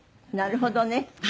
なるほどね。